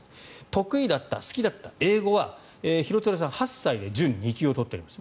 得意だった好きだった英語は廣津留さんは８歳で準２級を取っています。